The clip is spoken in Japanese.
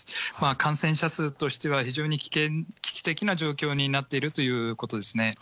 感染者数としては、非常に危機的な状況になっているということですね。